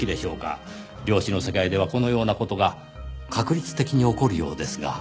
量子の世界ではこのような事が確率的に起こるようですが。